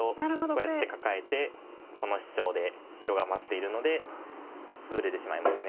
こうやってカカえてこのシチョウで白が待っているのでツブれてしまいます。